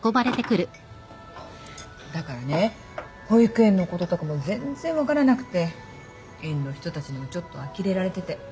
だからね保育園のこととかも全然分からなくて園の人たちにもちょっとあきれられてて。